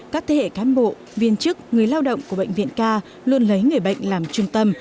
các thế hệ cán bộ viên chức người lao động của bệnh viện k luôn lấy người bệnh làm trung tâm